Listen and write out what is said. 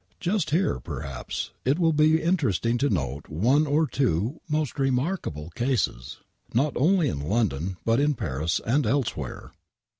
Just here, perhaps, li will be interesting to note one or two most remarkable cases, not oi^ly in London, but in Paris and elsewhere.